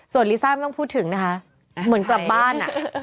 ส่วนลิซ่าไม่ต้องพูดถึงนะคะเหมือนกลับบ้าน